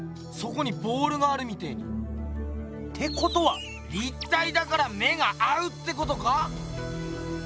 そこにボールがあるみてぇに。ってことは立体だから目が合うってことか？